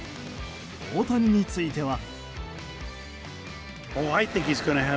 大谷については。